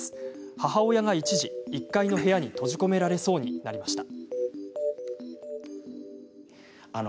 母親が一時、１階の部屋に閉じ込められそうになりました。